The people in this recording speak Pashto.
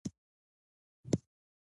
استاد اوس مثال وایي.